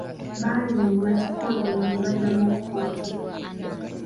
Baayimbulwa kyokka oluvannyuma ne baddamu okukwatibwa.